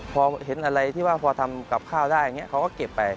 พอเห็นอะไรที่ว่าพอทำกับข้าวได้อย่างนี้เขาก็เก็บไป